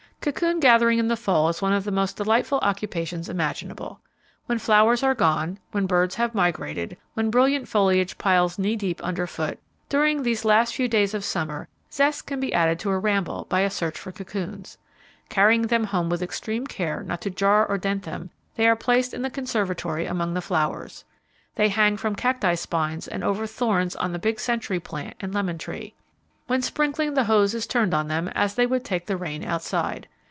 Cocoon gathering in the fall is one of the most delightful occupations imaginable. When flowers are gone; when birds have migrated; when brilliant foliage piles knee deep underfoot; during those last few days of summer, zest can be added to a ramble by a search for cocoons. Carrying them home with extreme care not to jar or dent them, they are placed in the conservatory among the flowers. They hang from cacti spines and over thorns on the big century plant and lemon tree. When sprinkling, the hose is turned on them, as they would take the rain outside.